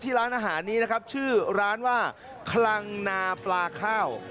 ร้านอาหารนี้นะครับชื่อร้านว่าคลังนาปลาข้าว